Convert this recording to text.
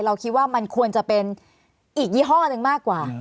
เราคิดว่ามันควรจะเป็นอีกยี่ห้อหนึ่งมากกว่า